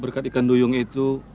berkat ikan duyung itu